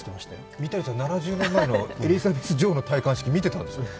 三谷さん、７０年前のエリザベス女王の戴冠式見てたんですか？